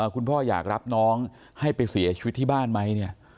พ่ออยากรับน้องให้ไปเสียชีวิตที่บ้านไหมเนี่ย